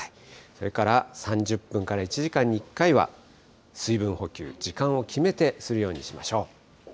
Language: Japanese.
それから３０分から１時間に１回は水分補給、時間を決めてするようにしましょう。